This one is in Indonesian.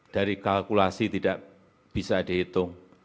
dari kalkulasi tidak bisa dihitung